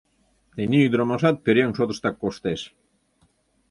Тений ӱдырамашат пӧръеҥ шотыштак коштеш!